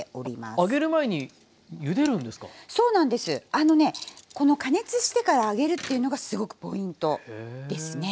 あのねこの加熱してから揚げるっていうのがすごくポイントですね。